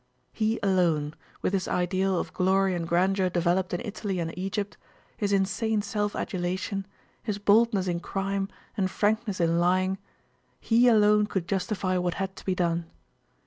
He alone—with his ideal of glory and grandeur developed in Italy and Egypt, his insane self adulation, his boldness in crime and frankness in lying—he alone could justify what had to be done.